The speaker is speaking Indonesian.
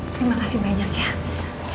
terima kasih banyak ya